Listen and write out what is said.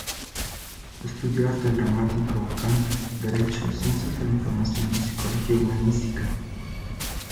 Estudió arte dramático, canto, derecho, ciencias de la información y psicología humanística.